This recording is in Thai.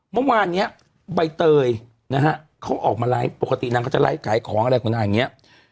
เมื่อวานนี้ใบเตยเขาออกมาไลฟ์ปกตินางก็จะไลฟ์ขายของอะไรคุณไอ้เงี้ย